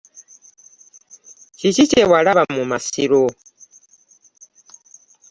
Kiki kye walaba mu musiro?